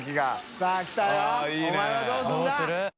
お前はどうするんだ？